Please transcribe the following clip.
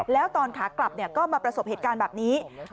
แล้วตอนขากลับก็มาประสบเหตุการณ์แบบนี้